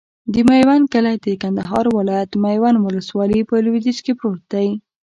د میوند کلی د کندهار ولایت، میوند ولسوالي په لویدیځ کې پروت دی.